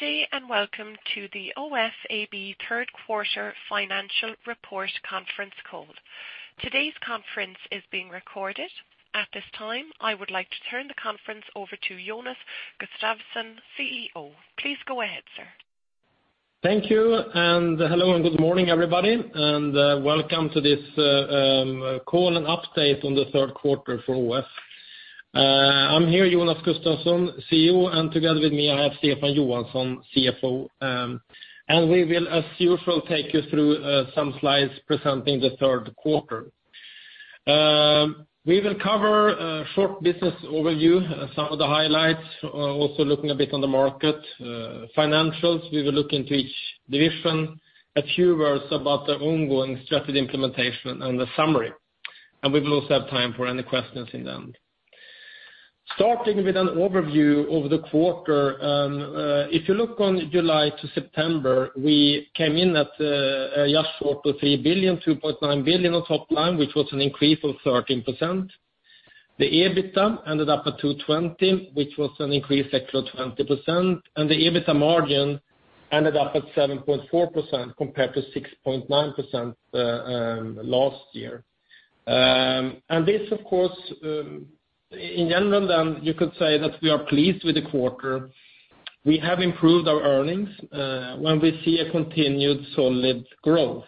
Good day, welcome to the ÅF AB third quarter financial report conference call. Today's conference is being recorded. At this time, I would like to turn the conference over to Jonas Gustavsson, CEO. Please go ahead, sir. Thank you. Hello, good morning, everybody, welcome to this call and update on the third quarter for ÅF. I'm here, Jonas Gustavsson, CEO, together with me, I have Stefan Johansson, CFO. We will, as usual, take you through some slides presenting the third quarter. We will cover a short business overview, some of the highlights, also looking a bit on the market financials. We will look into each division, a few words about the ongoing strategy implementation, the summary. We will also have time for any questions in the end. Starting with an overview of the quarter. If you look on July to September, we came in at just short of 3 billion, 2.9 billion on top line, which was an increase of 13%. The EBITDA ended up at 220 million, which was an increase of 20%, the EBITDA margin ended up at 7.4% compared to 6.9% last year. In general, you could say that we are pleased with the quarter. We have improved our earnings when we see a continued solid growth.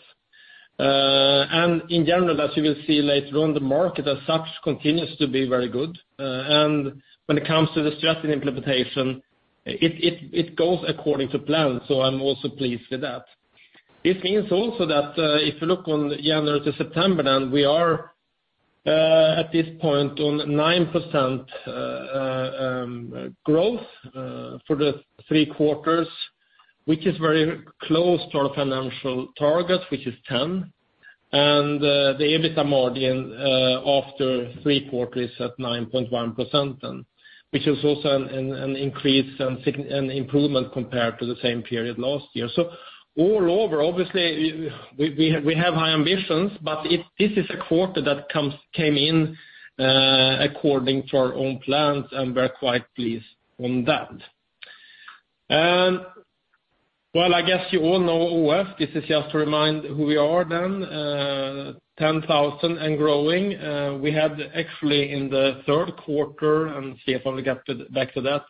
In general, as you will see later on, the market as such continues to be very good. When it comes to the strategy implementation, it goes according to plan, so I'm also pleased with that. This means also that if you look on January to September, we are at this point on 9% growth for the three quarters, which is very close to our financial target, which is 10%. The EBITDA margin after three quarters at 9.1%, which is also an increase and improvement compared to the same period last year. All over, obviously, we have high ambitions, but this is a quarter that came in according to our own plans, and we're quite pleased on that. While I guess you all know ÅF, this is just to remind who we are then, 10,000 and growing. We had actually in the third quarter, Stefan will get back to that,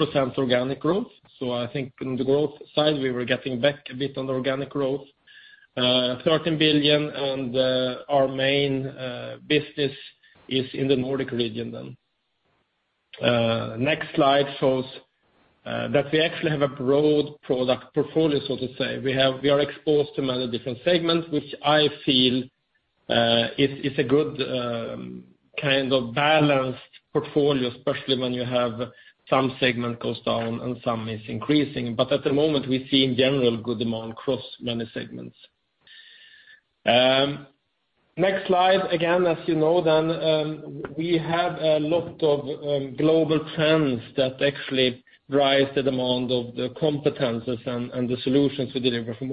6% organic growth. I think on the growth side, we were getting back a bit on the organic growth. 13 billion and our main business is in the Nordic region then. Next slide shows that we actually have a broad product portfolio, so to say. We are exposed to many different segments, which I feel is a good kind of balanced portfolio, especially when you have some segment goes down and some is increasing. At the moment, we see in general good demand across many segments. Next slide, again, as you know, we have a lot of global trends that actually drive the demand of the competencies and the solutions we deliver from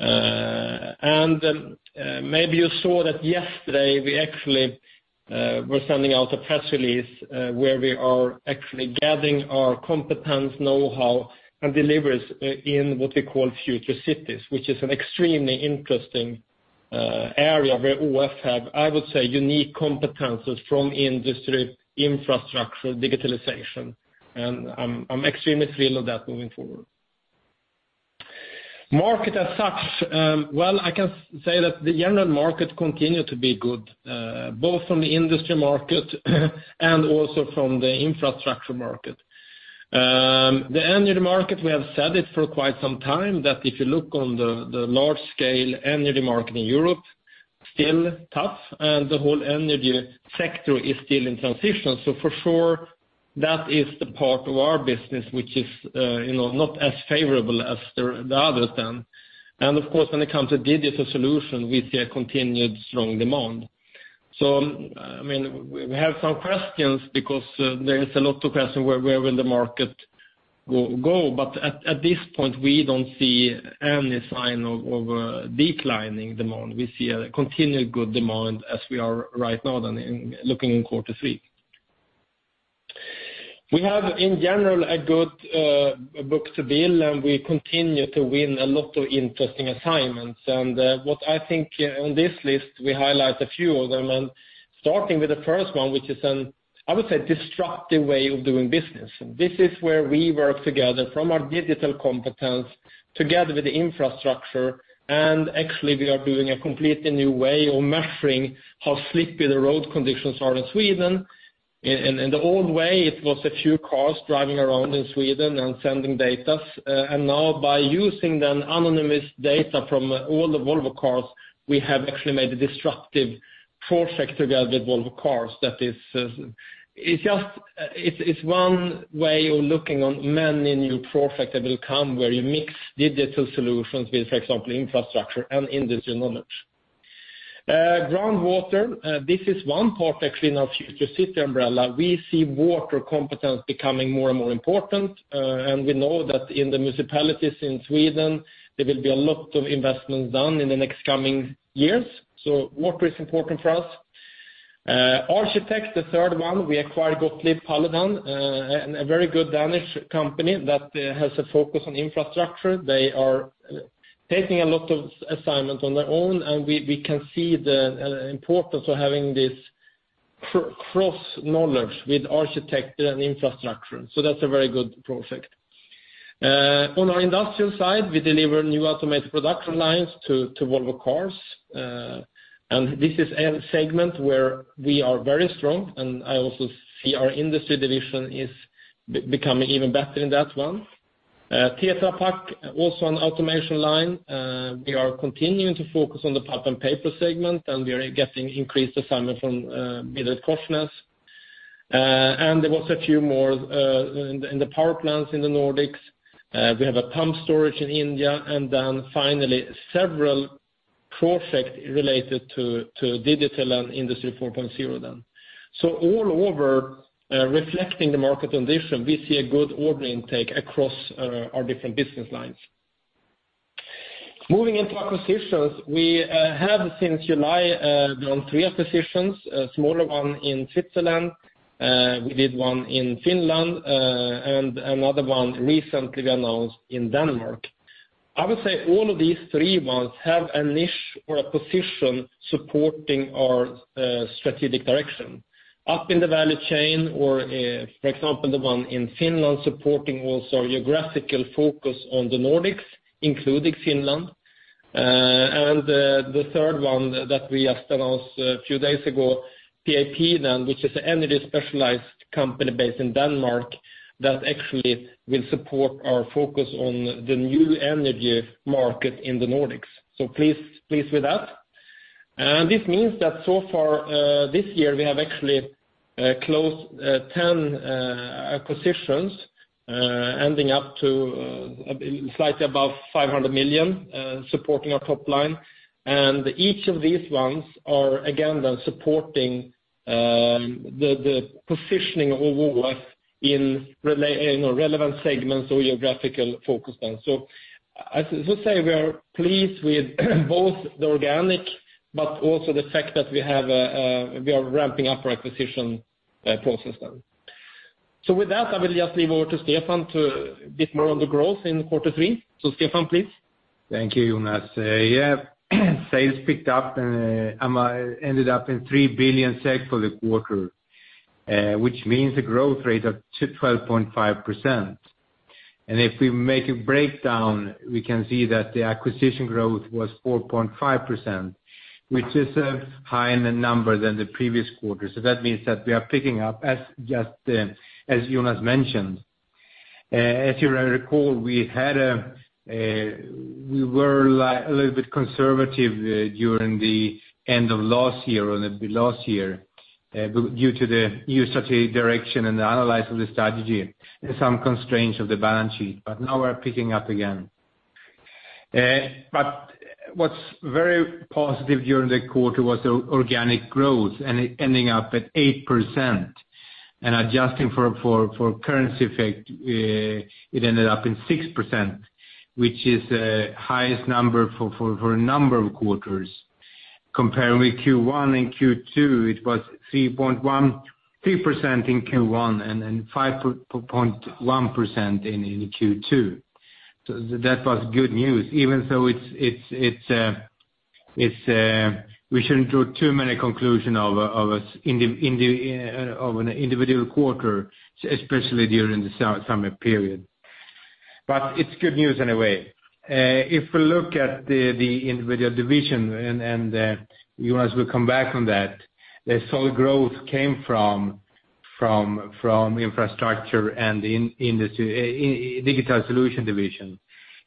ÅF. Maybe you saw that yesterday, we actually were sending out a press release where we are actually gathering our competence, know-how, and delivers in what we call Future Cities, which is an extremely interesting area where ÅF have, I would say, unique competencies from industry infrastructure digitalization, and I am extremely thrilled of that moving forward. Market as such. Well, I can say that the general market continued to be good both from the industry market and also from the infrastructure market. The energy market, we have said it for quite some time that if you look on the large scale energy market in Europe, still tough, and the whole energy sector is still in transition. For sure, that is the part of our business which is not as favorable as the others then. Of course, when it comes to digital solution, we see a continued strong demand. We have some questions because there is a lot of question where will the market go, but at this point, we don't see any sign of a declining demand. We see a continued good demand as we are right now then looking in quarter three. We have, in general, a good book to build, and we continue to win a lot of interesting assignments. What I think on this list, we highlight a few of them, and starting with the first one, which is an, I would say, disruptive way of doing business. This is where we work together from our digital competence together with the infrastructure, and actually we are doing a completely new way of measuring how slippery the road conditions are in Sweden. In the old way, it was a few cars driving around in Sweden and sending data. Now by using the anonymous data from all the Volvo Cars, we have actually made a disruptive project together with Volvo Cars that is one way of looking on many new projects that will come where you mix digital solutions with, for example, infrastructure and industry knowledge. Groundwater, this is one part actually in our Future Cities umbrella. We see water competence becoming more and more important, and we know that in the municipalities in Sweden, there will be a lot of investments done in the next coming years. Water is important for us. Architects, the third one, we acquired Gottlieb Paludan, a very good Danish company that has a focus on infrastructure. They are taking a lot of assignments on their own, and we can see the importance of having this cross-knowledge with architecture and infrastructure. That's a very good project. On our industrial side, we deliver new automated production lines to Volvo Cars. This is a segment where we are very strong, and I also see our industry division is becoming even better in that one. Tetra Pak, also an automation line, we are continuing to focus on the pulp and paper segment, and we are getting increased assignment from. There was a few more in the power plants in the Nordics. We have a pump storage in India, and then finally, several projects related to digital and Industry 4.0 then. All over, reflecting the market condition, we see a good order intake across our different business lines. Moving into acquisitions, we have since July done three acquisitions, a smaller one in Switzerland, we did one in Finland, and another one recently we announced in Denmark. I would say all of these three ones have a niche or a position supporting our strategic direction. Up in the value chain or, for example, the one in Finland supporting also geographical focus on the Nordics, including Finland. The third one that we just announced a few days ago, P.A.P. then, which is an energy specialized company based in Denmark that actually will support our focus on the new energy market in the Nordics. Pleased with that. This means that so far this year we have actually closed 10 acquisitions, ending up to slightly above 500 million, supporting our top line. Each of these ones are again then supporting the positioning overall in relevant segments or geographical focus then. I should say we are pleased with both the organic, but also the fact that we are ramping up our acquisition process then. With that, I will just leave over to Stefan to a bit more on the growth in Q3. Stefan, please. Thank you, Jonas. Sales picked up and ended up in 3 billion SEK for the quarter, which means a growth rate of 12.5%. If we make a breakdown, we can see that the acquisition growth was 4.5%, which is a higher number than the previous quarter. That means that we are picking up as Jonas mentioned. As you recall, we were a little bit conservative during the end of last year due to the new strategy direction and the analysis of the strategy and some constraints of the balance sheet, but now we're picking up again. What's very positive during the quarter was the organic growth, it ending up at 8%, and adjusting for currency effect, it ended up in 6%, which is the highest number for a number of quarters. Comparing with Q1 and Q2, it was 3% in Q1 and 5.1% in Q2. That was good news, even though we shouldn't draw too many conclusion of an individual quarter, especially during the summer period. It's good news anyway. We look at the individual division, and Jonas will come back on that, the solid growth came from Infrastructure and Digital Solutions division.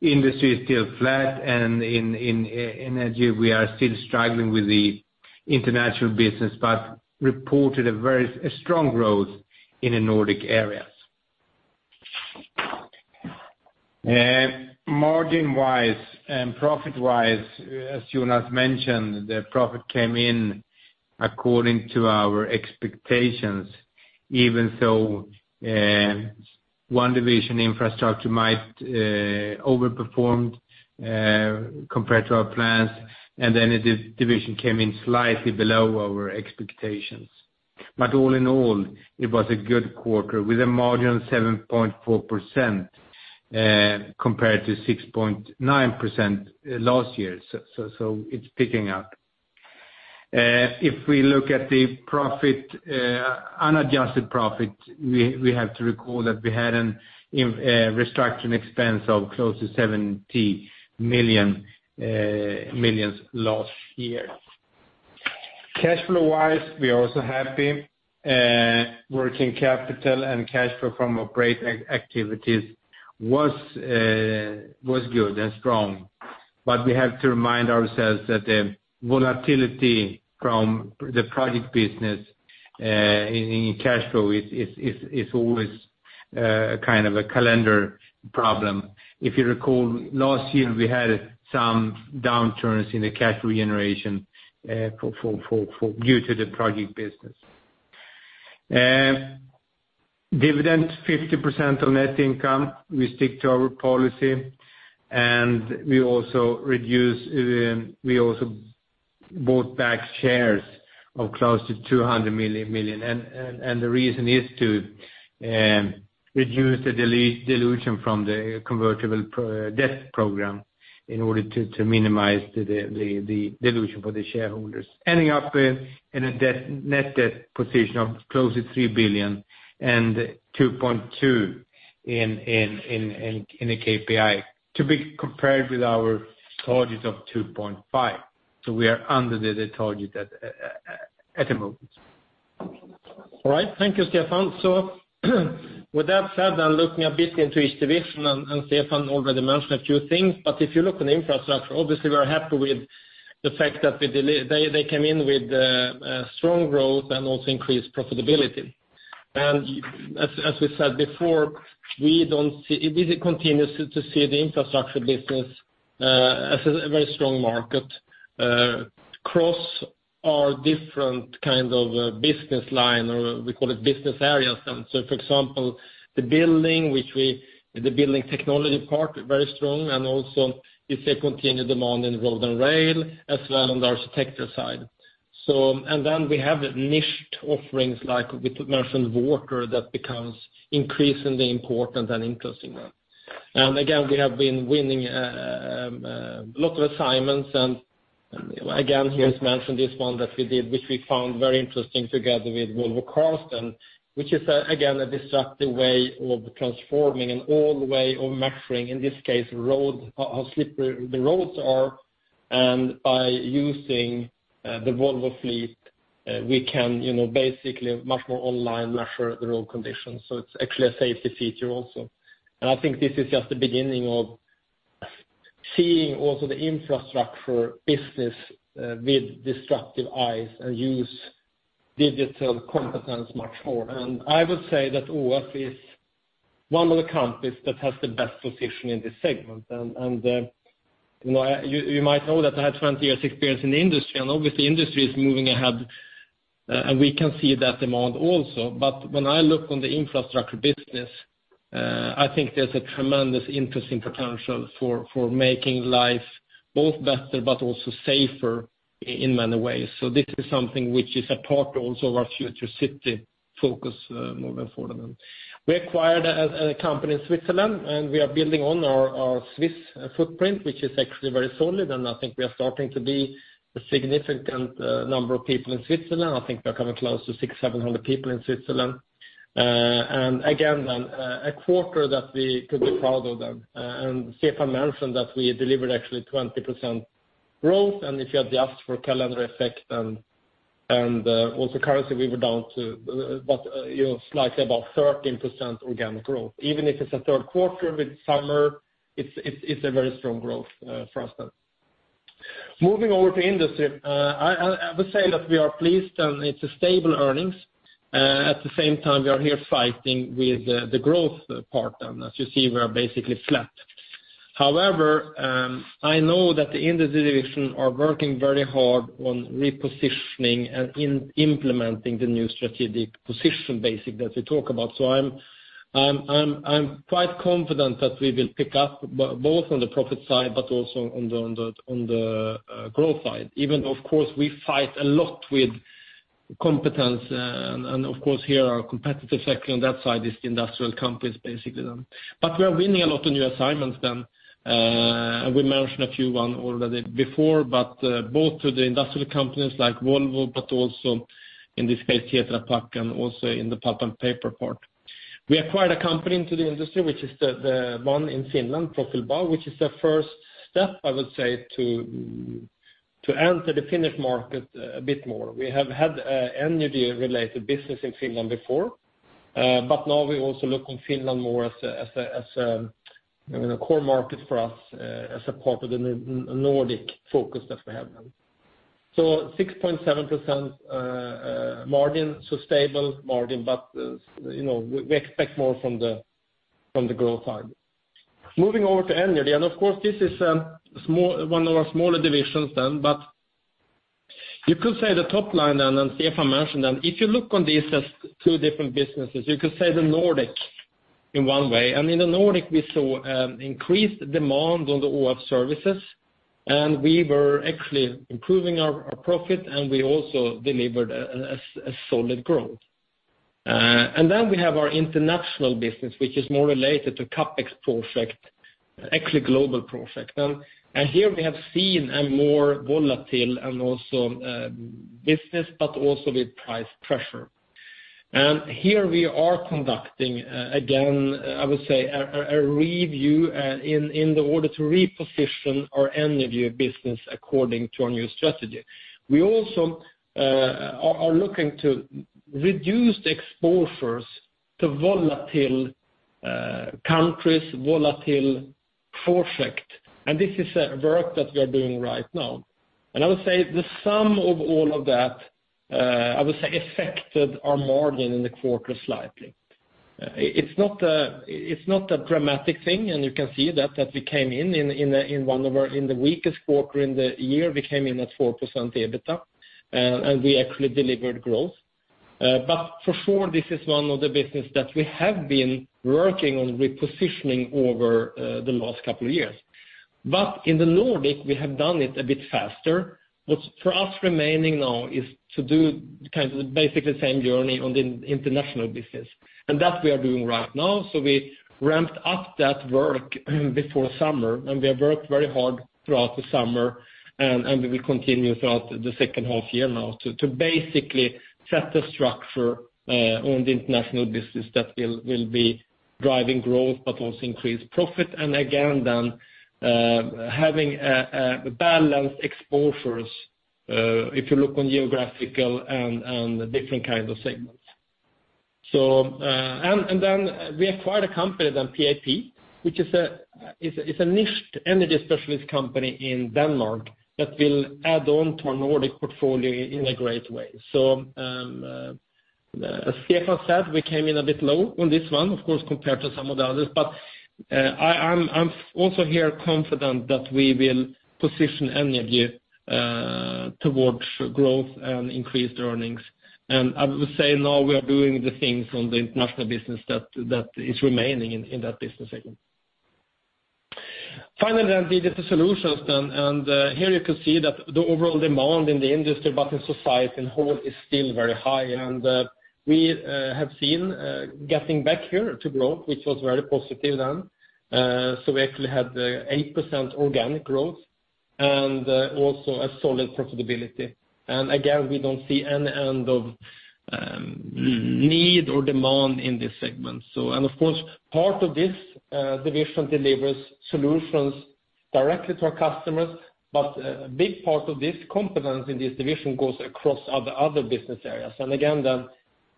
Industry is still flat and in Energy we are still struggling with the international business, but reported a very strong growth in the Nordic areas. Margin-wise and profit-wise, as Jonas mentioned, the profit came in according to our expectations, even though one division Infrastructure might overperformed compared to our plans, and then the division came in slightly below our expectations. All in all, it was a good quarter with a margin of 7.4%, compared to 6.9% last year. It's picking up. If we look at the unadjusted profit, we have to recall that we had a restructuring expense of close to 70 million last year. Cash flow-wise, we are also happy. Working capital and cash flow from operating activities was good and strong. We have to remind ourselves that the volatility from the project business in cash flow is always a kind of a calendar problem. If you recall, last year we had some downturns in the cash regeneration due to the project business. Dividend 50% of net income, we stick to our policy, and we also bought back shares of close to 200 million. The reason is to reduce the dilution from the convertible debt program in order to minimize the dilution for the shareholders, ending up in a net debt position of close to 3 billion and 2.2 in the KPI. To be compared with our target of 2.5. We are under the target at the moment. All right. Thank you, Stefan. With that said, I'm looking a bit into each division. Stefan already mentioned a few things, but if you look on infrastructure, obviously we are happy with the fact that they came in with strong growth and also increased profitability. As we said before, we continue to see the infrastructure business as a very strong market across our different business line, or we call it business areas. For example, the building technology part, very strong. Also we see continued demand in road and rail as well on the architecture side. Then we have niched offerings like we mentioned, water, that becomes increasingly important and interesting. Again, we have been winning a lot of assignments. Again, here is mentioned this one that we did, which we found very interesting together with Volvo Cars, which is again, a disruptive way of transforming an old way of measuring, in this case, how slippery the roads are. By using the Volvo fleet, we can basically much more online measure the road conditions. It's actually a safety feature also. I think this is just the beginning of seeing also the infrastructure business with disruptive eyes and use digital competence much more. I would say that ÅF is one of the companies that has the best position in this segment. You might know that I have 20 years' experience in the industry. Obviously industry is moving ahead. We can see that demand also. When I look on the Infrastructure business, I think there's a tremendous interesting potential for making life both better but also safer in many ways. This is something which is a part also of our future city focus moving forward. We acquired a company in Switzerland, and we are building on our Swiss footprint, which is actually very solid, and I think we are starting to be a significant number of people in Switzerland. I think we are coming close to 600, 700 people in Switzerland. Again, a quarter that we could be proud of, and Stefan mentioned that we delivered actually 20% growth. If you adjust for calendar effect and also currency, we were down to about slightly above 13% organic growth. Even if it's a third quarter with summer, it's a very strong growth for us. Moving over to Industry, I would say that we are pleased, and it's a stable earnings. At the same time, we are here fighting with the growth part. As you see, we are basically flat. However, I know that the Industry Division are working very hard on repositioning and implementing the new strategic position basically, that we talk about. I'm quite confident that we will pick up both on the profit side but also on the growth side, even though, of course, we fight a lot with competence, and of course, here our competitive section on that side is the industrial companies, basically. We are winning a lot of new assignments then. We mentioned a few one already before, but both to the industrial companies like Volvo, but also in this case, Tetra Pak, and also in the pulp and paper part. We acquired a company into the Industry, which is the one in Finland, Profil-Bau, which is the first step, I would say, to enter the Finnish market a bit more. We have had energy-related business in Finland before, but now we also look on Finland more as a core market for us as a part of the Nordic focus that we have. 6.7% margin, so stable margin, but we expect more from the growth side. Moving over to Energy, and of course, this is one of our smaller divisions then, but you could say the top line then, and Stefan mentioned, if you look on these as two different businesses, you could say the Nordic in one way. In the Nordic, we saw increased demand on the ÅF services, and we were actually improving our profit, and we also delivered a solid growth. Then we have our international business, which is more related to CapEx project, actually global project. Here we have seen a more volatile and also business, but also with price pressure. Here we are conducting, again, I would say, a review in order to reposition our Energy business according to our new strategy. We also are looking to reduce the exposures to volatile countries, volatile project, and this is a work that we are doing right now. I would say the sum of all of that, I would say, affected our margin in the quarter slightly. It's not a dramatic thing, and you can see that we came in one of our weakest quarters in the year, we came in at 4% EBITDA, and we actually delivered growth. For sure, this is one of the businesses that we have been working on repositioning over the last couple of years. In the Nordic, we have done it a bit faster. What is for us remaining now is to do basically the same journey on the international business, and that we are doing right now. We ramped up that work before summer, and we have worked very hard throughout the summer, and we will continue throughout the second half-year now to basically set the structure on the international business that will be driving growth but also increase profit, and again, then having a balanced exposure, if you look on geographical and the different kinds of segments. And then we acquired a company, then, P.A.P, which is a niched Energy specialist company in Denmark that will add on to our Nordic portfolio in a great way. As Stefan said, we came in a bit low on this one, of course, compared to some of the others. But I am also here confident that we will position Energy towards growth and increased earnings. And I would say now we are doing the things on the international business that is remaining in that business segment. Finally, Digital Solutions, and here you can see that the overall demand in the industry, but in society on whole, is still very high, and we have seen getting back here to growth, which was very positive then. We actually had 8% organic growth and also a solid profitability. And again, we do not see any end of need or demand in this segment. And of course, part of this division delivers solutions directly to our customers, but a big part of this component in this division goes across other business areas. And again,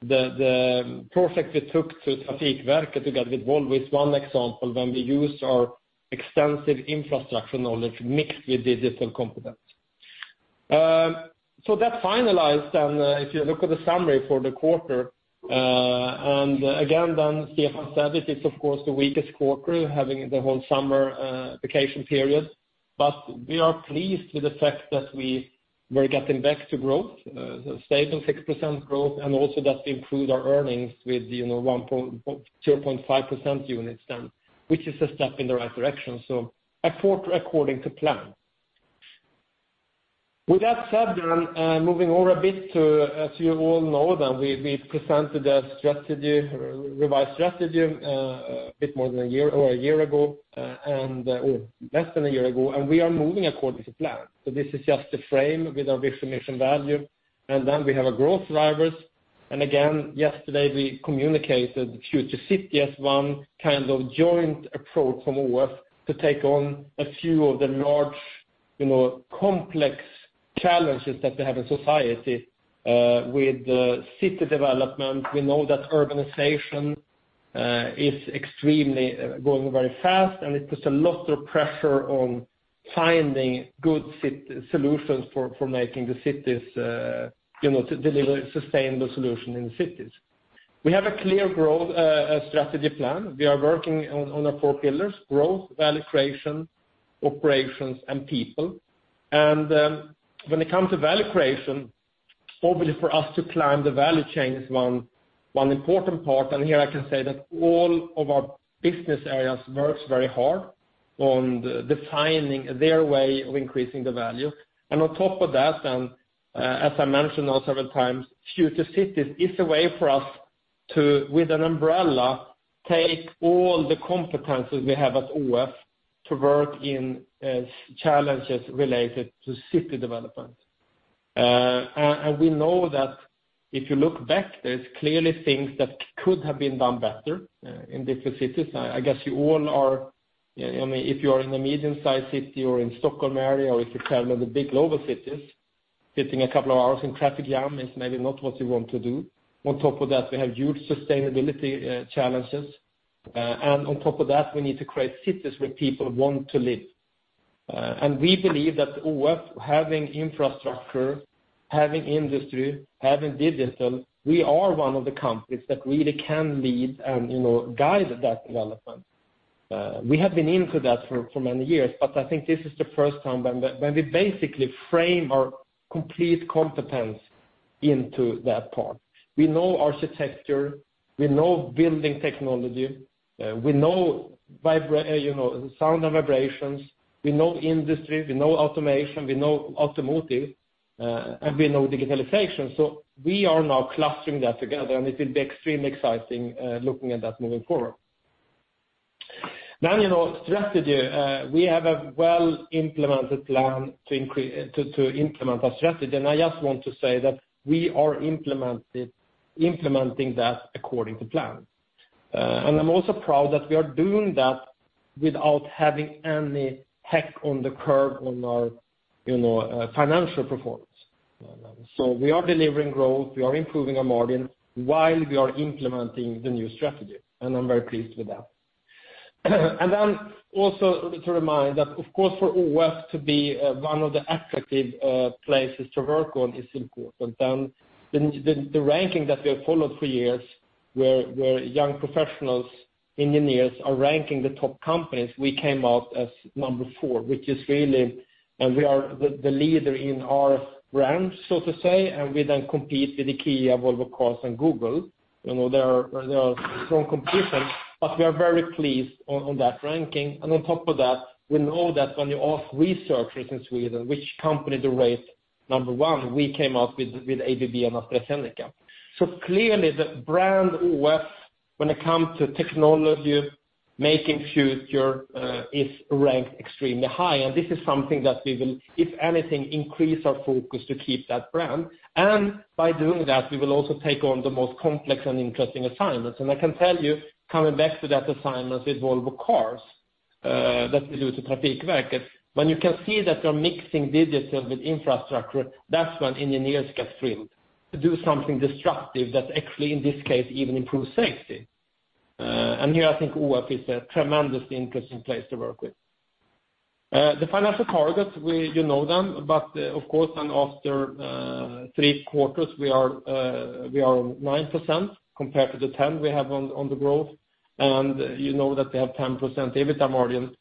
the project we took to Trafikverket together with Volvo is one example when we used our extensive infrastructure knowledge mixed with digital components. That finalized, and if you look at the summary for the quarter, and again, Stefan said it is of course the weakest quarter, having the whole summer vacation period. But we are pleased with the fact that we were getting back to growth, a stable 6% growth, and also that include our earnings with 0.5% units then, which is a step in the right direction. A quarter according to plan. With that said, moving over a bit to, as you all know, we presented a revised strategy a bit more than a year ago, or less than a year ago, and we are moving according to plan. This is just a frame with our vision, mission, value, and then we have our growth drivers. And again, yesterday, we communicated Future City as one kind of joint approach from ÅF to take on a few of the large complex challenges that we have in society with city development. We know that urbanization is extremely growing very fast, and it puts a lot of pressure on finding good solutions for making the cities. To deliver sustainable solutions in the cities. We have a clear growth strategy plan. We are working on our four pillars: growth, value creation, operations, and people. When it comes to value creation, obviously for us to climb the value chain is one important part, here I can say that all of our business areas works very hard on defining their way of increasing the value. On top of that, then, as I mentioned now several times, Future Cities is a way for us to, with an umbrella, take all the competencies we have at ÅF to work in challenges related to city development. We know that if you look back, there's clearly things that could have been done better in different cities. I guess you all are, if you are in a medium-sized city or in Stockholm area, or if you travel the big global cities, sitting a couple of hours in traffic jam is maybe not what you want to do. On top of that, we have huge sustainability challenges. On top of that, we need to create cities where people want to live. We believe that ÅF having infrastructure, having industry, having digital, we are one of the companies that really can lead and guide that development. We have been into that for many years, but I think this is the first time when we basically frame our complete competence into that part. We know architecture, we know building technology, we know sound and vibrations. We know industry, we know automation, we know automotive, and we know digitalization. We are now clustering that together, it will be extremely exciting looking at that moving forward. Strategy. We have a well-implemented plan to implement our strategy, I just want to say that we are implementing that according to plan. I'm also proud that we are doing that without having any hiccup on the curb on our financial performance. We are delivering growth, we are improving our margin while we are implementing the new strategy, and I'm very pleased with that. Also to remind that, of course, for ÅF to be one of the attractive places to work on is important. The ranking that we have followed for years, where young professionals, engineers are ranking the top companies, we came out as number 4, and we are the leader in our realm, so to say, and we then compete with IKEA, Volvo Cars, and Google. They are strong competition, but we are very pleased on that ranking. On top of that, we know that when you ask researchers in Sweden which company they rate number 1, we came out with ABB and AstraZeneca. Clearly, the brand ÅF, when it comes to technology, making future, is ranked extremely high. This is something that we will, if anything, increase our focus to keep that brand. By doing that, we will also take on the most complex and interesting assignments. I can tell you, coming back to that assignment with Volvo Cars that we do to Trafikverket, when you can see that you're mixing digital with infrastructure, that's when engineers get thrilled to do something disruptive that actually, in this case, even improves safety. Here, I think ÅF is a tremendously interesting place to work with. The financial targets, you know them, but of course, after three quarters, we are on 9% compared to the 10 we have on the growth. You know that we have 10% EBITDA margin.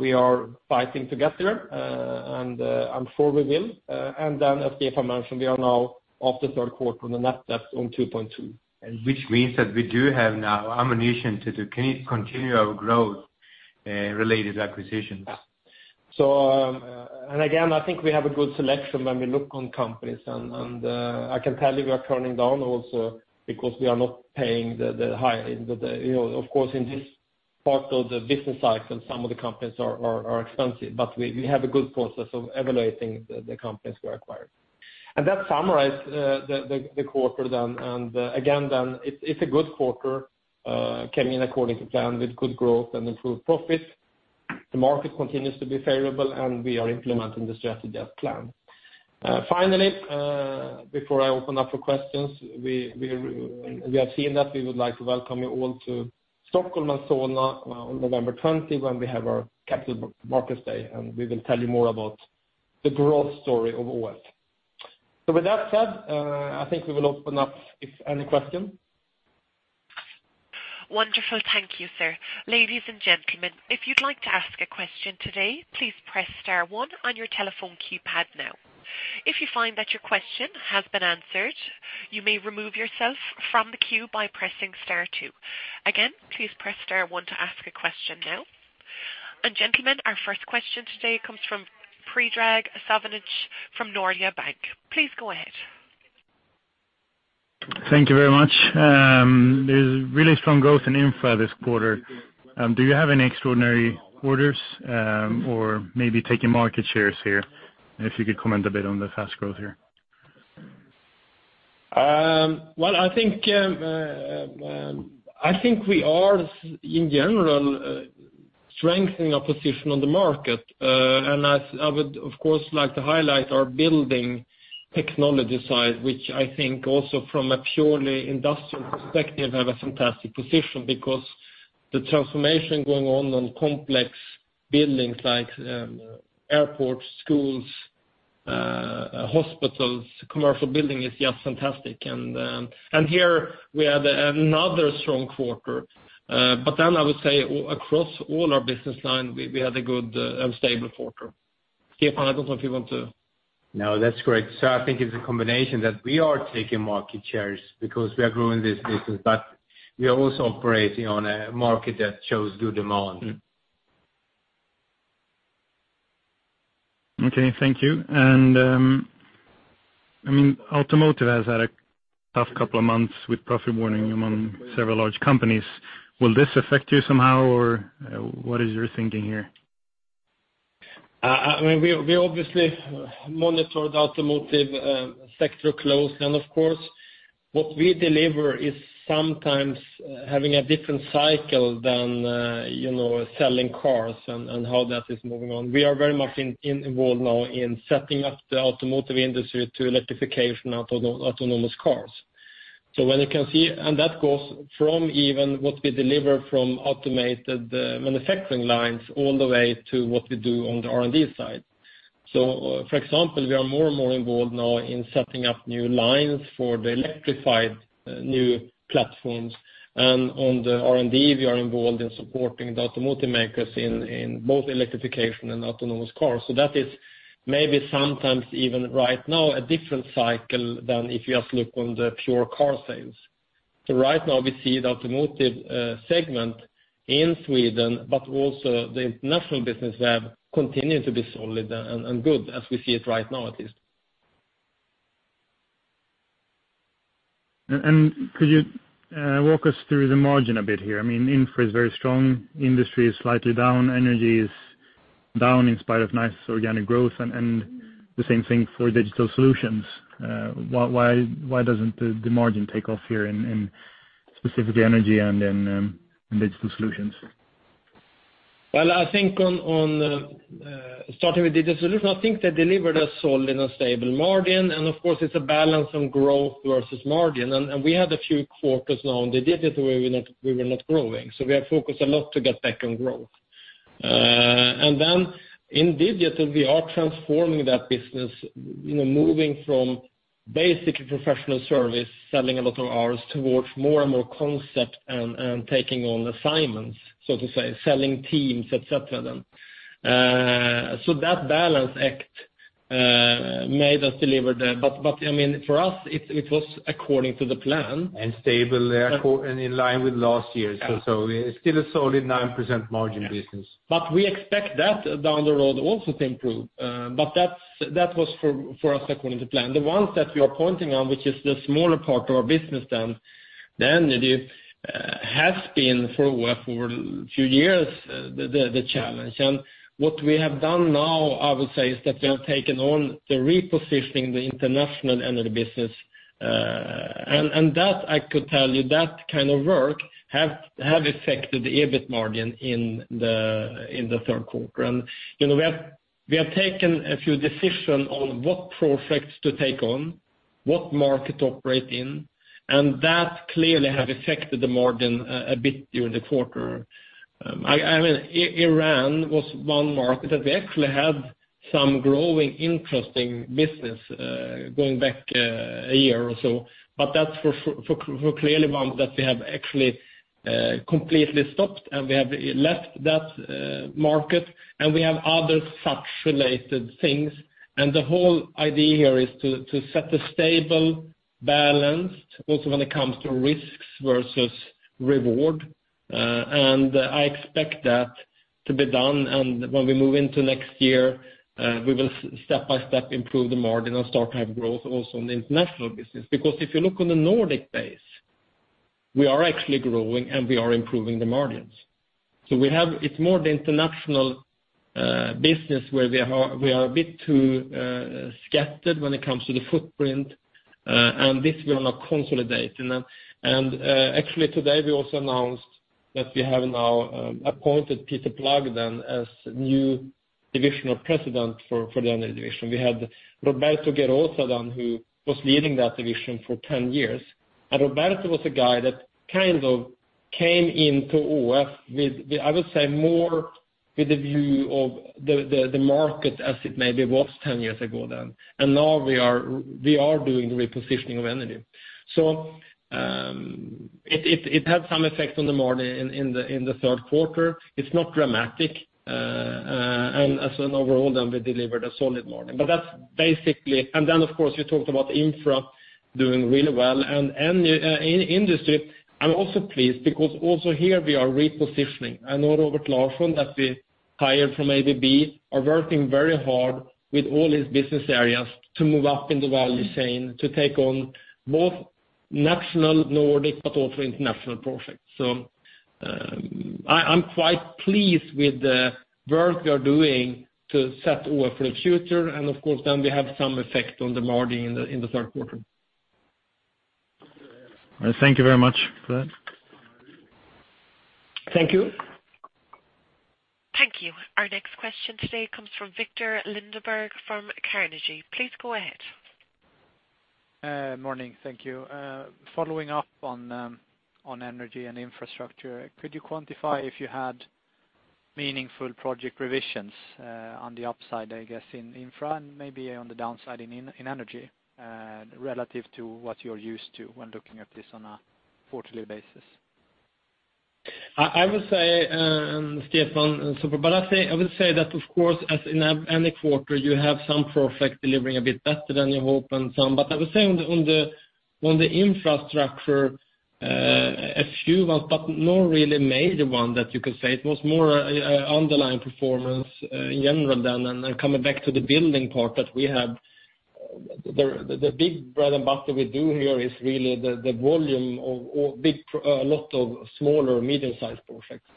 We are fighting to get there, I'm sure we will. As Stefan mentioned, we are now off the third quarter on the net debt on 2.2 billion. Which means that we do have now ammunition to continue our growth-related acquisitions. Again, I think we have a good selection when we look on companies. I can tell you we are turning down also because we are not paying the high end of the. Of course, in this part of the business cycle, some of the companies are expensive, but we have a good process of evaluating the companies we acquire. That summarizes the quarter then. Again then, it's a good quarter, came in according to plan with good growth and improved profit. The market continues to be favorable, and we are implementing the strategy as planned. Finally, before I open up for questions, we have seen that we would like to welcome you all to Stockholm and Solna on November 20, when we have our Capital Markets Day, and we will tell you more about the growth story of ÅF. With that said, I think we will open up if any question. Wonderful. Thank you, sir. Ladies and gentlemen, if you'd like to ask a question today, please press star one on your telephone keypad now. If you find that your question has been answered, you may remove yourself from the queue by pressing star two. Again, please press star one to ask a question now. Gentlemen, our first question today comes from Predrag Savinovic from Nordea Bank. Please go ahead. Thank you very much. There's really strong growth in Infra this quarter. Do you have any extraordinary orders or maybe taking market shares here? If you could comment a bit on the fast growth here. Well, I think we are, in general, strengthening our position on the market. I would, of course, like to highlight our building technology side, which I think also from a purely industrial perspective, have a fantastic position because the transformation going on complex buildings like airports, schools, hospitals, commercial building is just fantastic. Here we had another strong quarter. I would say across all our business lines, we had a good and stable quarter. Stefan, I don't know if you want to No, that's correct, sir. I think it's a combination that we are taking market shares because we are growing this business, we are also operating on a market that shows good demand. Okay, thank you. Automotive has had a tough couple of months with profit warning among several large companies. Will this affect you somehow, or what is your thinking here? We obviously monitored Automotive sector closely, of course what we deliver is sometimes having a different cycle than selling cars and how that is moving on. We are very much involved now in setting up the automotive industry to electrification autonomous cars. That goes from even what we deliver from automated manufacturing lines all the way to what we do on the R&D side. For example, we are more and more involved now in setting up new lines for the electrified new platforms. On the R&D, we are involved in supporting the automotive makers in both electrification and autonomous cars. That is maybe sometimes even right now a different cycle than if you just look on the pure car sales. Right now we see the Automotive segment in Sweden, but also the international business there continue to be solid and good as we see it right now, at least. Could you walk us through the margin a bit here? Infra is very strong. Industry is slightly down. Energy is down in spite of nice organic growth, and the same thing for Digital Solutions. Why doesn't the margin take off here in specifically Energy and in Digital Solutions? Well, starting with digital solutions, I think they delivered a solid and stable margin. Of course, it's a balance on growth versus margin. We had a few quarters now on the digital where we were not growing. We are focused a lot to get back on growth. Then in digital, we are transforming that business, moving from basic professional service, selling a lot of hours, towards more and more concept and taking on assignments, so to say, selling teams, et cetera. That balance act made us deliver there. For us, it was according to the plan. Stable there, and in line with last year. Yeah. It's still a solid 9% margin business. We expect that down the road also to improve. That was for us according to plan. The ones that we are pointing on, which is the smaller part of our business then, Energy, has been for a few years, the challenge. What we have done now, I would say, is that we have taken on the repositioning the international Energy business. That I could tell you, that kind of work have affected the EBIT margin in the third quarter. We have taken a few decisions on what projects to take on, what market to operate in, and that clearly have affected the margin a bit during the quarter. Iran was one market that we actually had some growing interesting business going back a year or so. That's clearly one that we have actually completely stopped. We have left that market, and we have other such related things. The whole idea here is to set a stable balance also when it comes to risks versus reward. I expect that to be done. When we move into next year, we will step by step improve the margin and start to have growth also on the international business. If you look on the Nordic base, we are actually growing, and we are improving the margins. It's more the international business where we are a bit too scattered when it comes to the footprint, and this we are now consolidating. Actually today we also announced that we have now appointed Peter Plagemann as new Divisional President for the Energy Division. We had Roberto Gerosa, who was leading that division for 10 years. Roberto was a guy that came into ÅF with, I would say, more with the view of the market as it maybe was 10 years ago. Now we are doing the repositioning of energy. It had some effect on the margin in the third quarter. It's not dramatic. As an overall, then we delivered a solid margin. Then, of course, you talked about infra doing really well. In industry, I'm also pleased because also here we are repositioning. Robert Larsson that we hired from ABB, is working very hard with all his business areas to move up in the value chain, to take on both national, Nordic, but also international projects. I'm quite pleased with the work we are doing to set ÅF for the future. Of course, then we have some effect on the margin in the third quarter. Thank you very much for that. Thank you. Thank you. Our next question today comes from Viktor Lindeberg from Carnegie. Please go ahead. Morning. Thank you. Following up on energy and infrastructure, could you quantify if you had meaningful project revisions on the upside, I guess, in infra and maybe on the downside in energy relative to what you are used to when looking at this on a quarterly basis? I would say, Stefan, super. I would say that of course as in any quarter, you have some projects delivering a bit better than you hope. I would say on the infrastructure, a few ones, but no really major one that you could say. It was more a underlying performance in general then. Coming back to the building part that we have, the big bread and butter we do here is really the volume of a lot of smaller medium-sized projects.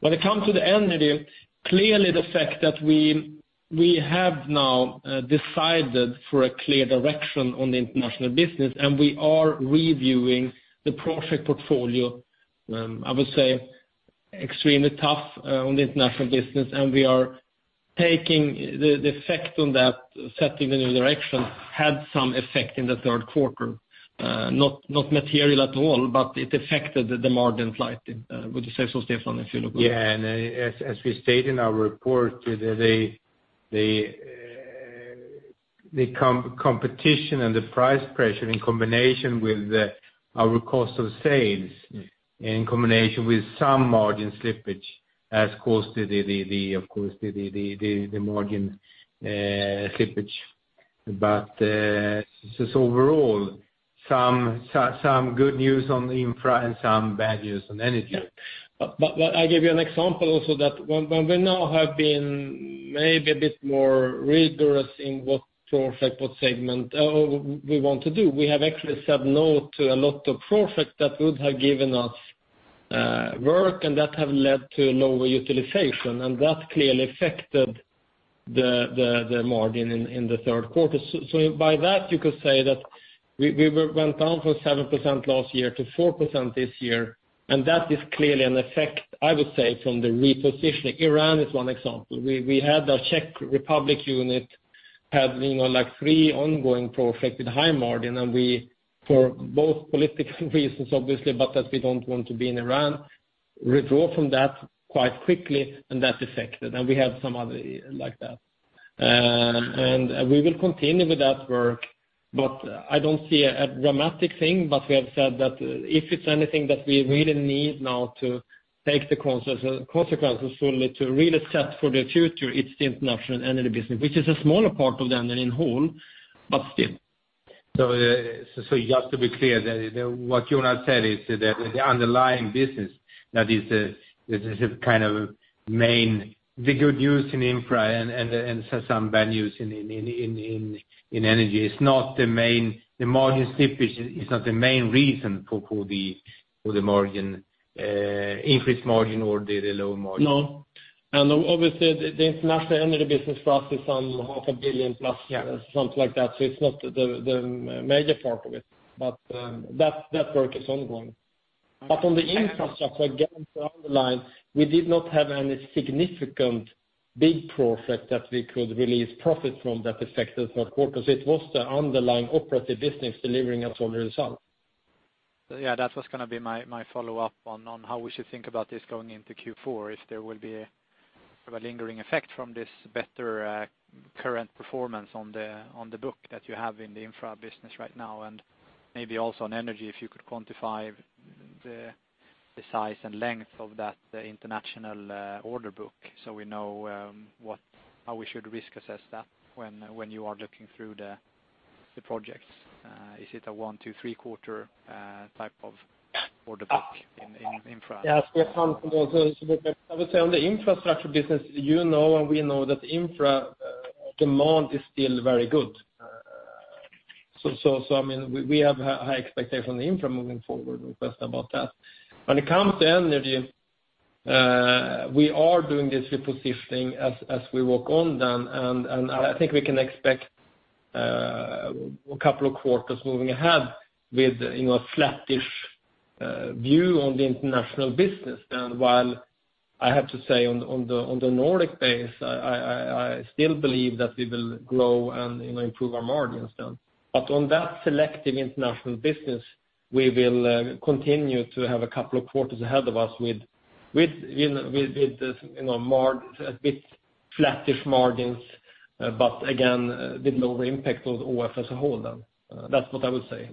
When it comes to the energy, clearly the fact that we have now decided for a clear direction on the international business, and we are reviewing the project portfolio, I would say extremely tough on the international business, and we are taking the effect on that, setting a new direction had some effect in the third quarter. Not material at all, it affected the margin slightly. Would you say so, Stefan, if you look at it? Yeah. As we stated in our report, the competition and the price pressure in combination with our cost of sales in combination with some margin slippage as opposed to the margin slippage. Just overall, some good news on the infra and some bad news on energy. Yeah. I give you an example also that when we now have been maybe a bit more rigorous in what project, what segment we want to do, we have actually said no to a lot of projects that would have given us work and that have led to lower utilization. That clearly affected the margin in the third quarter. By that, you could say that we went down from 7% last year to 4% this year, and that is clearly an effect, I would say, from the repositioning. Iran is one example. We had our Czech Republic unit having three ongoing affected high margin, and we for both political reasons, obviously, but that we don't want to be in Iran, withdraw from that quite quickly and that affected us. We have some other like that. We will continue with that work, but I don't see a dramatic thing. We have said that if it's anything that we really need now to take the consequences fully to really set for the future, it's the international energy business, which is a smaller part of the energy in whole, but still. just to be clear, what Jonas said is that the underlying business that is the kind of. The good news in infra and some bad news in energy, the margin slippage is not the main reason for the increased margin or the low margin. No. obviously the international energy business for us is on half a billion. Yeah something like that. it's not the major part of it. that work is ongoing. on the infrastructure, again, to underline, we did not have any significant big project that we could release profit from that affected the quarter. It was the underlying operative business delivering that sort of result. that was going to be my follow-up on how we should think about this going into Q4, if there will be a lingering effect from this better current performance on the book that you have in the infra business right now, and maybe also on energy, if you could quantify the size and length of that international order book so we know how we should risk assess that when you are looking through the projects. Is it a one to three quarter type of order book in infra? Yes, Stefan, I would say on the infrastructure business, you know, and we know that infra demand is still very good. We have high expectation on infra moving forward with just about that. When it comes to energy, we are doing this repositioning as we work on them, and I think we can expect a couple of quarters moving ahead with a flattish view on the international business. While I have to say on the Nordic base, I still believe that we will grow and improve our margins. On that selective international business, we will continue to have a couple of quarters ahead of us with flattish margins, but again, with lower impact on the ÅF as a whole. That's what I would say.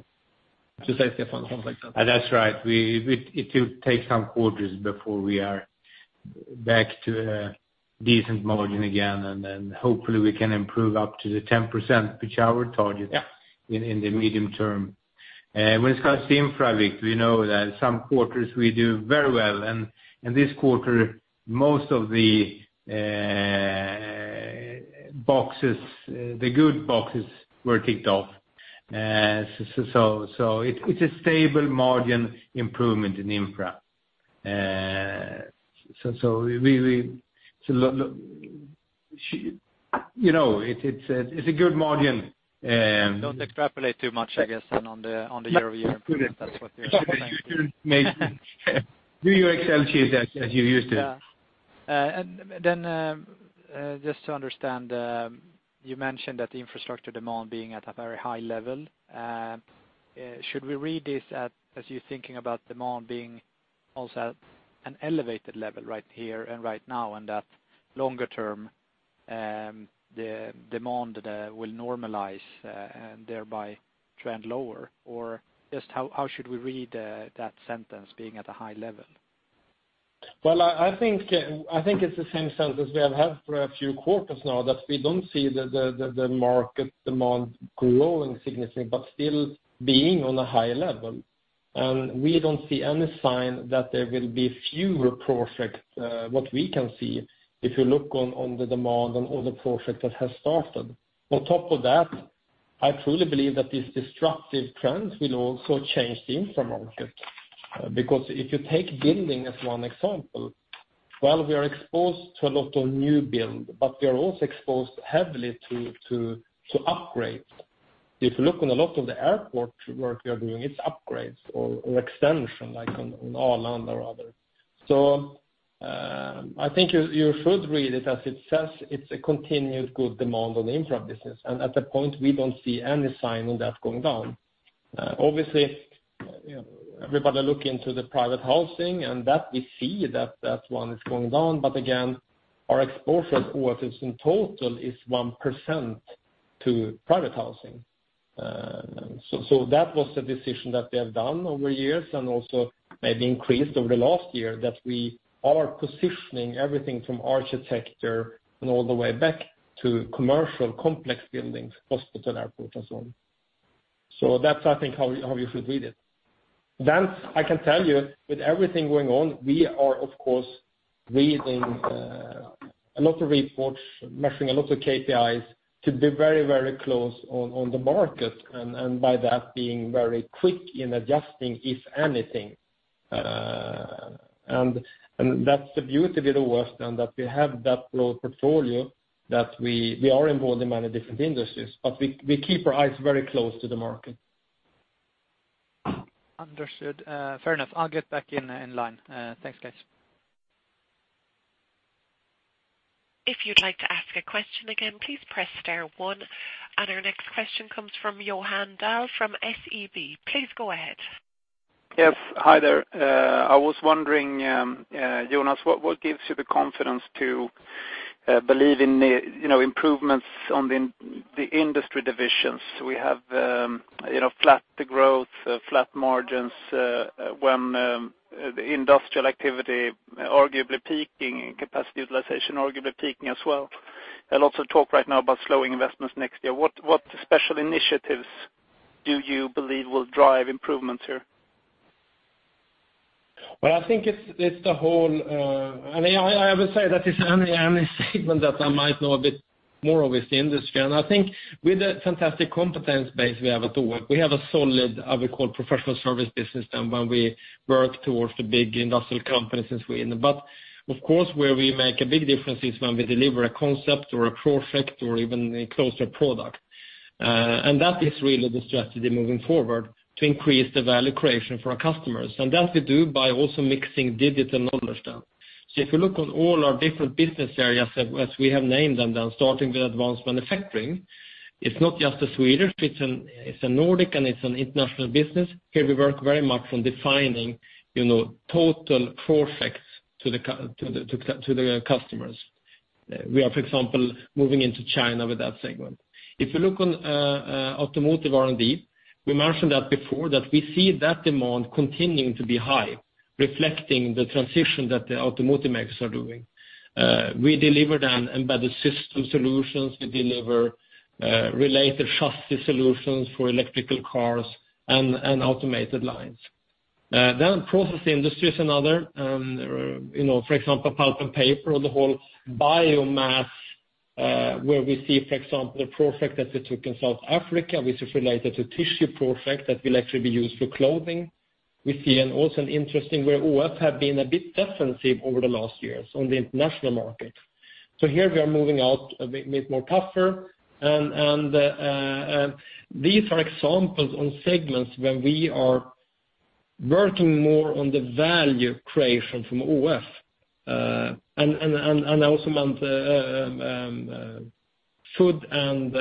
To say, Stefan, something like that. That's right. It will take some quarters before we are back to a decent margin again, and then hopefully we can improve up to the 10% for our target. Yeah In the medium term. When it comes to infra, Vik, we know that some quarters we do very well. In this quarter, most of the good boxes were ticked off. It's a stable margin improvement in infra. It's a good margin. Don't extrapolate too much, I guess, on the year-over-year improvement, that's what you're saying? Do your Excel sheet as you used to. Just to understand, you mentioned that the infrastructure demand being at a very high level. Should we read this as you thinking about demand being also at an elevated level right here and right now, and that longer term, the demand will normalize, and thereby trend lower? Or just how should we read that sentence, being at a high level? Well, I think it's the same sentence we have had for a few quarters now that we don't see the market demand growing significantly, but still being on a high level. We don't see any sign that there will be fewer projects. What we can see, if you look on the demand on all the projects that have started. On top of that, I truly believe that this destructive trend will also change the infra market. Because if you take building as one example, while we are exposed to a lot of new build, but we are also exposed heavily to upgrades. If you look on a lot of the airport work we are doing, it's upgrades or extension, like on Arlanda or other. I think you should read it as it says, it's a continued good demand on the infra business, and at that point, we don't see any sign of that going down. Obviously, everybody look into the private housing, and that we see that one is going down. Again, our exposure of ÅF in total is 1% to private housing. That was the decision that we have done over years and also maybe increased over the last year, that we are positioning everything from architecture and all the way back to commercial complex buildings, hospital, airport, and so on. That's, I think, how you should read it. I can tell you with everything going on, we are of course reading a lot of reports, measuring a lot of KPIs to be very close on the market, by that being very quick in adjusting if anything. That's the beauty of ÅF, that we have that broad portfolio, that we are involved in many different industries, but we keep our eyes very close to the market. Understood. Fair enough. I'll get back in line. Thanks, guys. If you'd like to ask a question again, please press star one. Our next question comes from Johan Dahl from SEB. Please go ahead. Yes. Hi there. I was wondering, Jonas, what gives you the confidence to believe in the improvements on the industry divisions? We have flat growth, flat margins, when the industrial activity arguably peaking, and capacity utilization arguably peaking as well. A lot of talk right now about slowing investments next year. What special initiatives do you believe will drive improvements here? I would say that it's only a statement that I might know a bit more with the industry. I think with the fantastic competence base we have at ÅF, we have a solid, I would call, professional service business, and when we work towards the big industrial companies since we're in. Of course, where we make a big difference is when we deliver a concept or a project or even a closer product. That is really the strategy moving forward to increase the value creation for our customers. That we do by also mixing digital knowledge down. If you look on all our different business areas as we have named them, starting with advanced manufacturing, it's not just a Swedish, it's a Nordic, and it's an international business. Here we work very much on defining total projects to the customers. We are, for example, moving into China with that segment. If you look on automotive R&D, we mentioned that before that we see that demand continuing to be high, reflecting the transition that the automotive makers are doing. We deliver then embedded system solutions. We deliver related chassis solutions for electrical cars and automated lines. Process industry is another. For example, pulp and paper or the whole biomass, where we see, for example, a project that we took in South Africa, which is related to tissue project that will actually be used for clothing. We see also an interesting where ÅF have been a bit defensive over the last years on the international market. Here we are moving out a bit more tougher, and these are examples on segments where we are working more on the value creation from ÅF. I also meant food and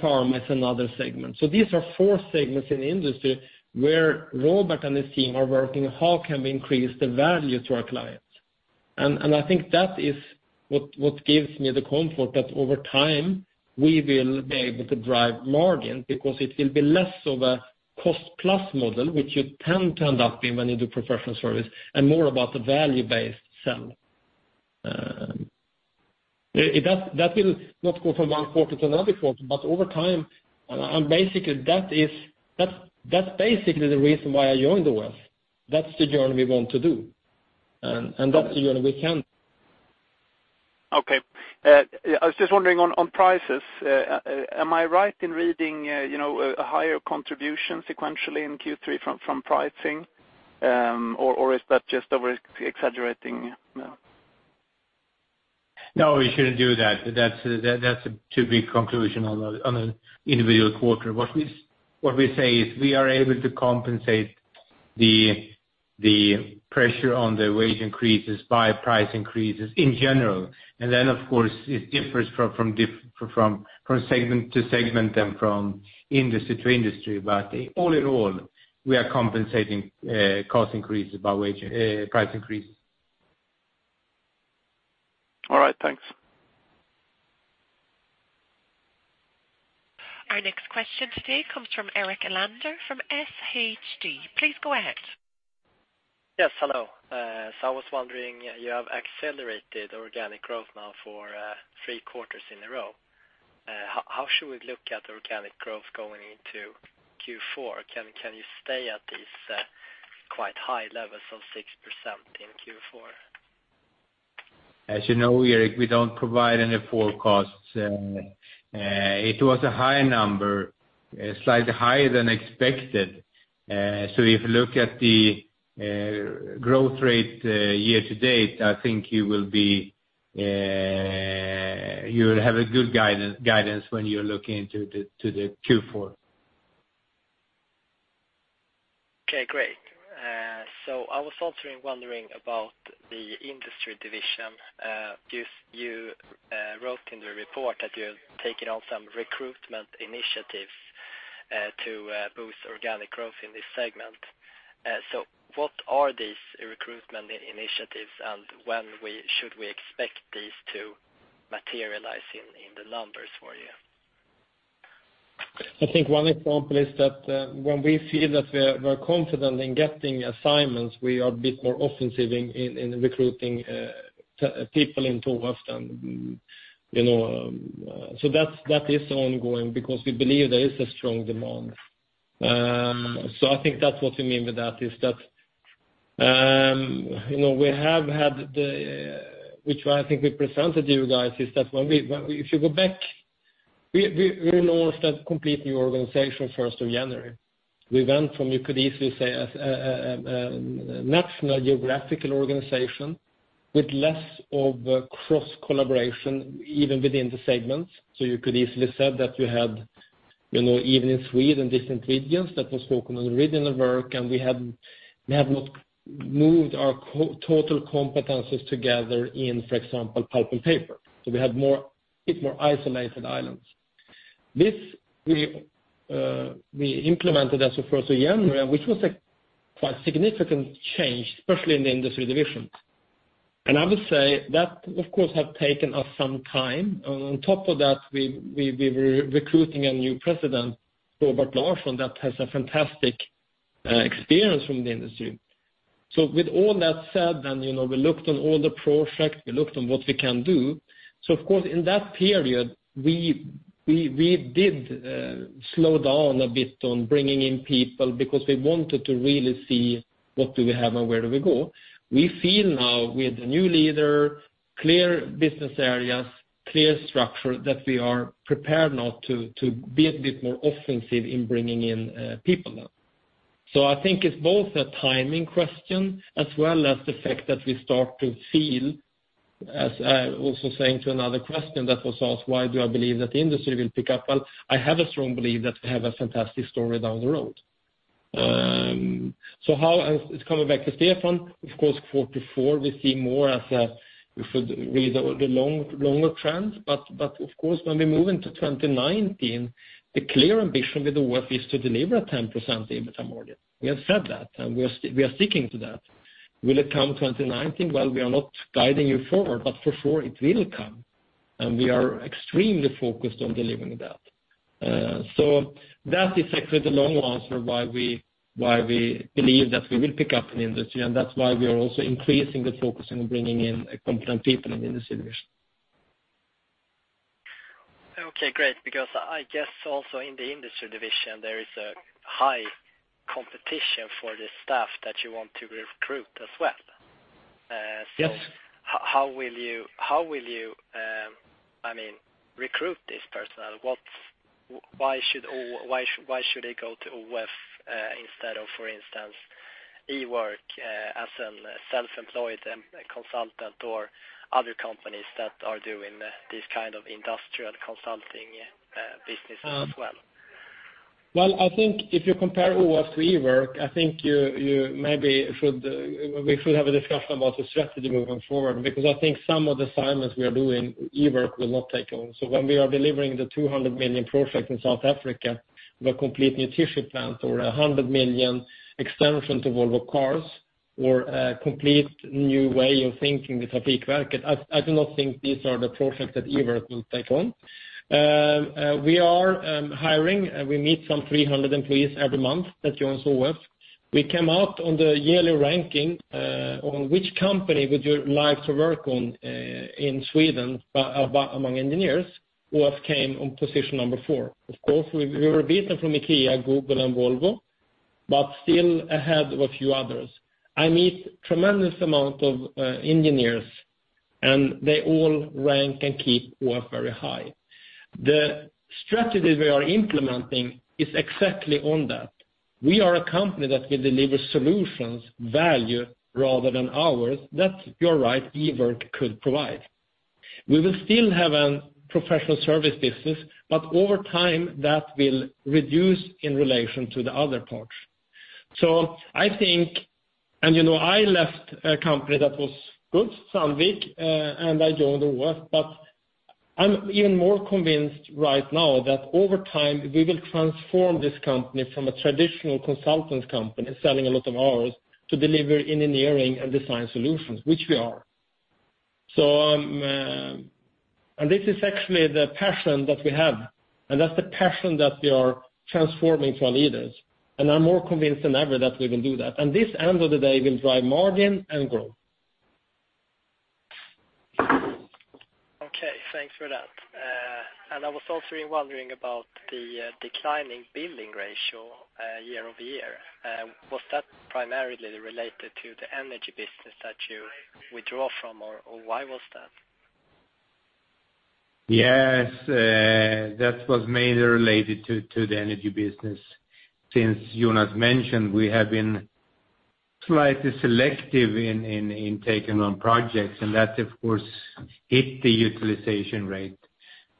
pharma is another segment. These are four segments in industry where Robert and his team are working, how can we increase the value to our clients? I think that is what gives me the comfort that over time we will be able to drive margin because it will be less of a cost-plus model, which you tend to end up in when you do professional service, and more about the value-based sell. That will not go from one quarter to another quarter, but over time. That's basically the reason why I joined ÅF. That's the journey we want to do. Okay. I was just wondering on prices, am I right in reading a higher contribution sequentially in Q3 from pricing? Is that just over-exaggerating? No, you shouldn't do that. That's too big conclusion on an individual quarter. What we say is we are able to compensate the pressure on the wage increases by price increases in general. Then, of course, it differs from segment to segment and from industry to industry. All in all, we are compensating cost increases by price increases. All right. Thanks. Our next question today comes from Erik Elander from SHB. Please go ahead. Yes. Hello. I was wondering, you have accelerated organic growth now for three quarters in a row. How should we look at organic growth going into Q4? Can you stay at these quite high levels of 6% in Q4? As you know, Erik, we don't provide any forecasts. It was a high number, slightly higher than expected. If you look at the growth rate year to date, I think you will have a good guidance when you're looking into the Q4. Okay, great. I was also wondering about the industry division. You wrote in the report that you're taking on some recruitment initiatives to boost organic growth in this segment. What are these recruitment initiatives, and when should we expect these to materialize in the numbers for you? I think one example is that when we feel that we're confident in getting assignments, we are a bit more offensive in recruiting people into ÅF. That is ongoing because we believe there is a strong demand. I think that's what we mean with that, is that which I think we presented to you guys, is that if you go back. We launched a complete new organization 1st of January. We went from, you could easily say, a national geographical organization with less of a cross-collaboration even within the segments. You could easily say that we had, even in Sweden, different regions that was spoken in the regional work, and we have not moved our total competencies together in, for example, pulp and paper. We had a bit more isolated islands. This we implemented as of 1st of January, which was a quite significant change, especially in the industry divisions. I would say that, of course, have taken us some time. On top of that, we were recruiting a new president, Robert Larsson, that has a fantastic experience from the industry. With all that said, we looked on all the projects, we looked on what we can do. Of course, in that period, we did slow down a bit on bringing in people because we wanted to really see what do we have and where do we go. We feel now with a new leader, clear business areas, clear structure, that we are prepared now to be a bit more offensive in bringing in people now. I think it's both a timing question as well as the fact that we start to feel, as I also saying to another question that was asked, why do I believe that the industry will pick up? Well, I have a strong belief that we have a fantastic story down the road. Coming back to Stefan, of course, quarter four, we see more as we should read the longer trend. Of course, when we move into 2019, the clear ambition with ÅF is to deliver a 10% EBITDA margin. We have said that, and we are sticking to that. Will it come 2019? Well, we are not guiding you forward, but for sure it will come. We are extremely focused on delivering that. That is actually the long answer why we believe that we will pick up in the industry, and that's why we are also increasing the focus on bringing in competent people in industry division. Okay, great. I guess also in the industry division, there is a high competition for the staff that you want to recruit as well. Yes. How will you recruit this personnel? Why should they go to ÅF instead of, for instance, Ework as a self-employed consultant or other companies that are doing this kind of industrial consulting business as well? I think if you compare ÅF to Ework, I think we should have a discussion about the strategy moving forward, because I think some of the assignments we are doing, Ework will not take on. When we are delivering the 200 million project in South Africa with a complete new tissue plant or 100 million extension to Volvo Cars or a complete new way of thinking with Trafikverket, I do not think these are the projects that Ework will take on. We are hiring. We meet some 300 employees every month that join ÅF. We came out on the yearly ranking on which company would you like to work on in Sweden among engineers, ÅF came on position number four. Of course, we were beaten from IKEA, Google, and Volvo, but still ahead of a few others. I meet tremendous amount of engineers, they all rank and keep ÅF very high. The strategy we are implementing is exactly on that. We are a company that will deliver solutions, value rather than hours, that you're right, Ework could provide. We will still have a professional service business, over time, that will reduce in relation to the other parts. I think, I left a company that was good, Sandvik, I joined ÅF, I'm even more convinced right now that over time, we will transform this company from a traditional consultant company selling a lot of hours to deliver engineering and design solutions, which we are. This is actually the passion that we have, that's the passion that we are transforming to our leaders. I'm more convinced than ever that we can do that. This, end of the day, will drive margin and growth. Okay, thanks for that. I was also wondering about the declining billing ratio year-over-year. Was that primarily related to the energy business that you withdraw from, or why was that? Yes, that was mainly related to the energy business. Since Jonas mentioned, we have been slightly selective in taking on projects, and that, of course, hit the utilization rate.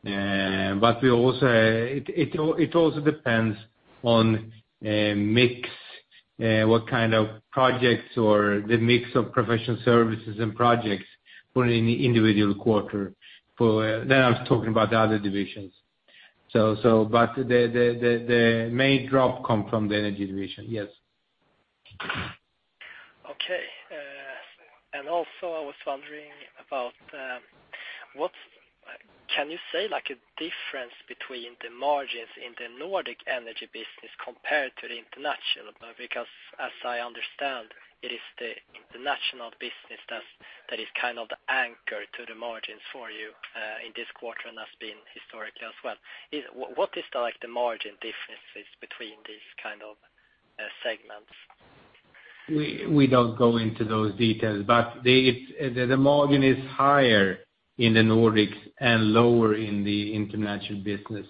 It also depends on mix, what kind of projects or the mix of professional services and projects for any individual quarter. There I was talking about the other divisions. The main drop come from the energy division, yes. Okay. Also, I was wondering about, can you say a difference between the margins in the Nordic energy business compared to the international? Because as I understand, it is the international business that is the anchor to the margins for you in this quarter and has been historically as well. What is the margin differences between these segments? We don't go into those details, but the margin is higher in the Nordics and lower in the international business.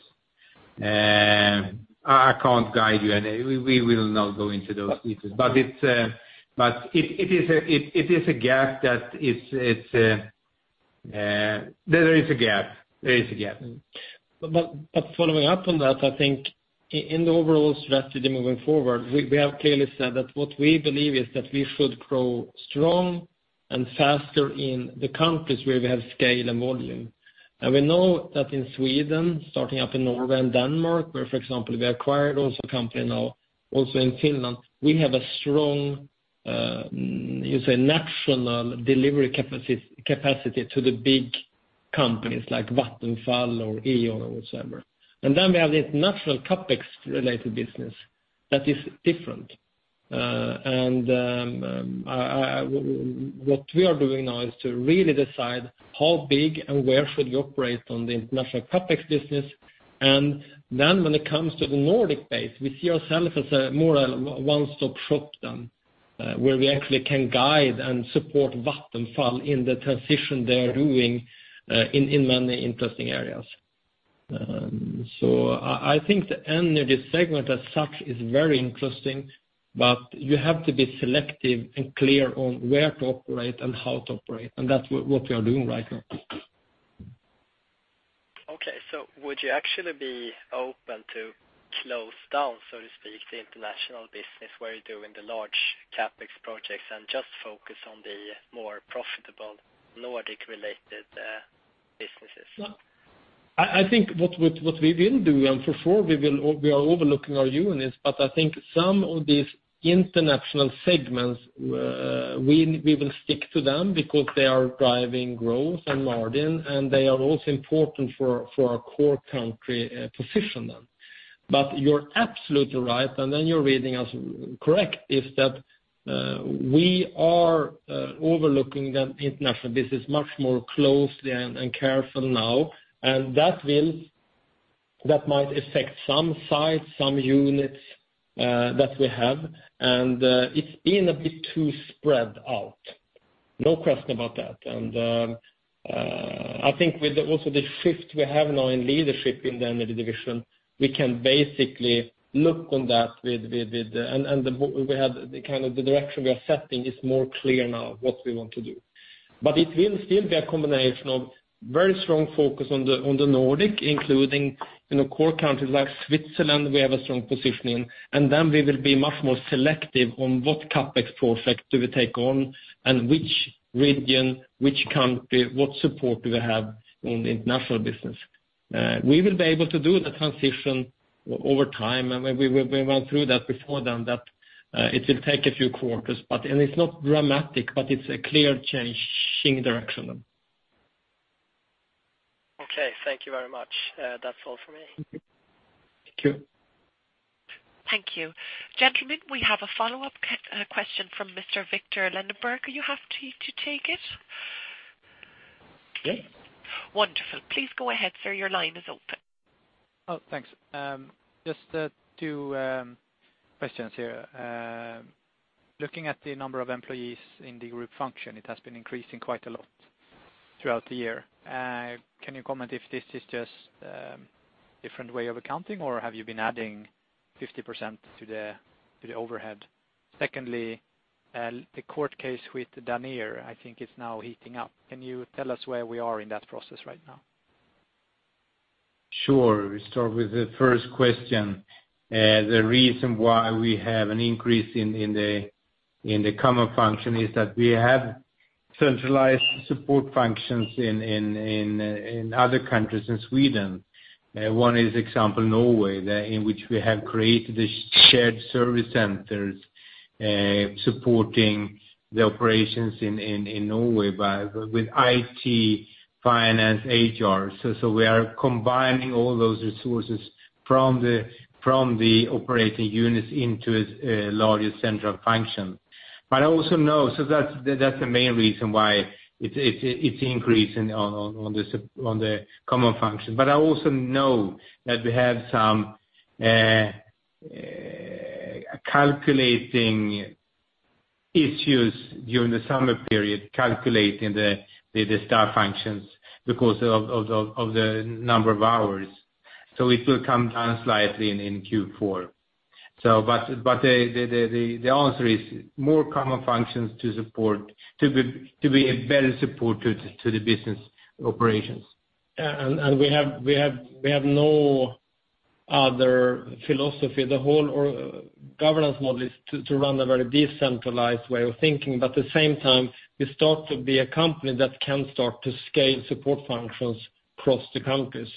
I can't guide you, and we will not go into those details. It is a gap, there is a gap. Following up on that, I think in the overall strategy moving forward, we have clearly said that what we believe is that we should grow strong and faster in the countries where we have scale and volume. We know that in Sweden, starting up in Norway and Denmark, where, for example, we acquired also a company now also in Finland, we have a strong, national delivery capacity to the big companies like Vattenfall or E.ON or whatsoever. Then we have the international CapEx related business that is different. What we are doing now is to really decide how big and where should we operate on the international CapEx business. Then when it comes to the Nordic base, we see ourself as a more one-stop shop then, where we actually can guide and support Vattenfall in the transition they are doing in many interesting areas. I think the energy segment as such is very interesting, but you have to be selective and clear on where to operate and how to operate, and that's what we are doing right now. Okay. Would you actually be open to close down, so to speak, the international business where you're doing the large CapEx projects and just focus on the more profitable Nordic related businesses? I think what we will do, for sure we are overlooking our units, but I think some of these international segments, we will stick to them because they are driving growth and margin, and they are also important for our core country position then. You're absolutely right, then you're reading us correct, is that we are overlooking the international business much more closely and carefully now, that might affect some size, some units that we have. It's been a bit too spread out, no question about that. I think with also the shift we have now in leadership in the Energy Division, we can basically look on that, the direction we are setting is more clear now what we want to do. It will still be a combination of very strong focus on the Nordic, including core countries like Switzerland, we have a strong positioning, then we will be much more selective on what CapEx projects do we take on and which region, which country, what support do we have in the international business. We will be able to do the transition over time, we went through that before then, that it will take a few quarters. It's not dramatic, but it's a clear changing direction then. Okay. Thank you very much. That's all for me. Thank you. Thank you. Thank you. Gentlemen, we have a follow-up question from Mr. Victor Lindeberg. You have to take it? Yes. Wonderful. Please go ahead, sir. Your line is open. Thanks. Just two questions here. Looking at the number of employees in the group function, it has been increasing quite a lot throughout the year. Can you comment if this is just a different way of accounting, or have you been adding 50% to the overhead? Secondly, the court case with Danir, I think it's now heating up. Can you tell us where we are in that process right now? Sure. We start with the first question. The reason why we have an increase in the common function is that we have centralized support functions in other countries in Sweden. One is example Norway, in which we have created the shared service centers, supporting the operations in Norway with IT, finance, HR. We are combining all those resources from the operating units into a larger central function. That's the main reason why it's increasing on the common function. I also know that we have some calculating issues during the summer period, calculating the staff functions because of the number of hours. It will come down slightly in Q4. The answer is more common functions to be a better support to the business operations. We have no other philosophy. The whole governance model is to run a very decentralized way of thinking. At the same time, we start to be a company that can start to scale support functions across the countries.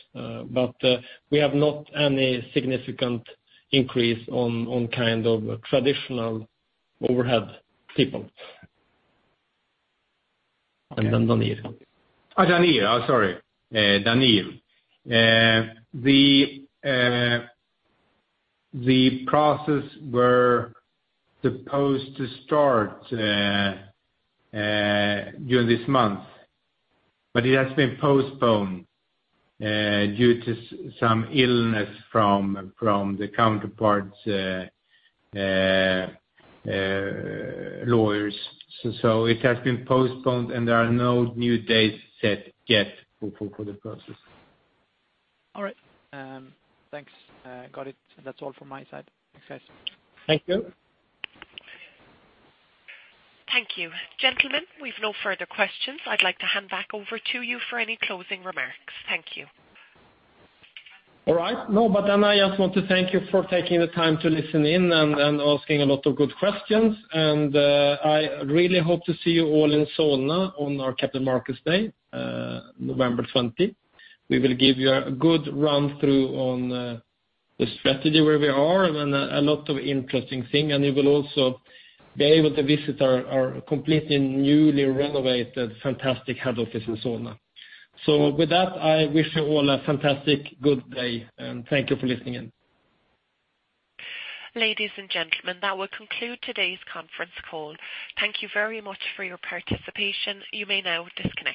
We have not any significant increase on kind of traditional overhead people. Danir. Danir, sorry. Danir. The process was supposed to start during this month. It has been postponed due to some illness from the counterparts' lawyers. It has been postponed. There are no new dates set yet for the process. All right. Thanks. Got it. That's all from my side. Thanks, guys. Thank you. Thank you. Gentlemen, we've no further questions. I'd like to hand back over to you for any closing remarks. Thank you. All right. No. Then I just want to thank you for taking the time to listen in and asking a lot of good questions. I really hope to see you all in Solna on our Capital Markets Day, November 20th. We will give you a good run through on the strategy where we are and then a lot of interesting thing, and you will also be able to visit our completely newly renovated, fantastic head office in Solna. With that, I wish you all a fantastic good day, and thank you for listening in. Ladies and gentlemen, that will conclude today's conference call. Thank you very much for your participation. You may now disconnect.